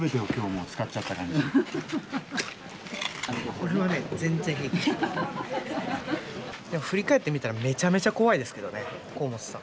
俺はね振り返ってみたらめちゃめちゃ怖いですけどね甲本さん。